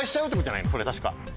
それ確か。